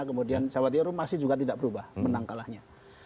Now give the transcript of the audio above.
kemudian jawa timur masih juga tidak berubah menang kalahnya